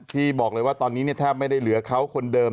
ที่บอกเลยว่าตอนนี้แทบไม่ได้เหลือเขาคนเดิม